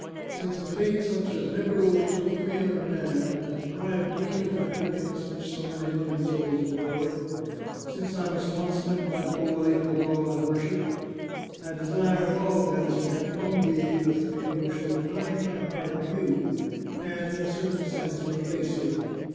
Since a fate such as never overtook any other man has deprived me of the happiness which so many loving souls enjoy — since I must not spend my whole life with all I worship — I desire, at all events, to have one being with me who shall remind my heart of you, and, in a certain sense, replace you.